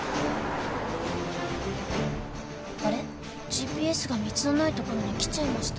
ＧＰＳが道のない所に来ちゃいました。